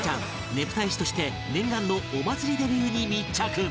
ねぷた絵師として念願のお祭りデビューに密着